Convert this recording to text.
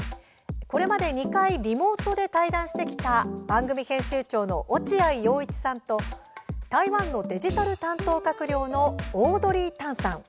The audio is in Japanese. これまで２回リモートで対談してきた番組編集長の落合陽一さんと台湾のデジタル担当閣僚のオードリー・タンさん。